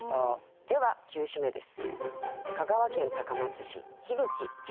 では９首目です。